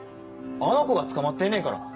あの子が捕まってんねんから。